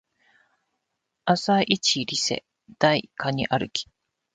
朝イチリセ台カニ歩き